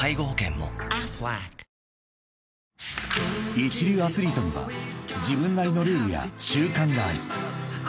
［一流アスリートには自分なりのルールや習慣がある］